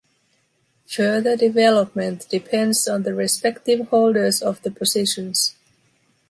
Further development depends on the respective holders of the positions.